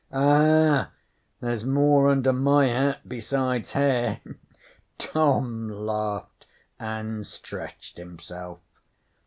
'Aha! There's more under my hat besides hair?' Tom laughed and stretched himself.